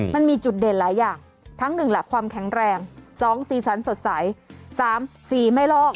มันมีจุดเด่นหลายอย่างทั้ง๑หลักความแข็งแรง๒สีสันสดใส๓สีไม่ลอก